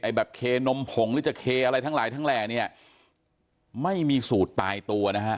แบบเคนมผงหรือจะเคอะไรทั้งหลายทั้งแหล่เนี่ยไม่มีสูตรตายตัวนะฮะ